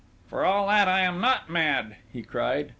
"For all that, I am not mad!" he cried.